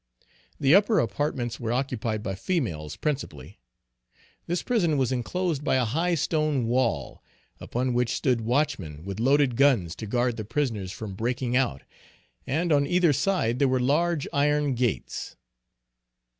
The upper apartments were occupied by females, principally. This prison was enclosed by a high stone wall, upon which stood watchmen with loaded guns to guard the prisoners from breaking out, and on either side there were large iron gates.